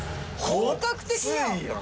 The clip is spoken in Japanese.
本格的だ！